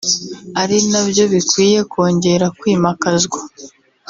ari na byo bikwiye kongera kwimakazwa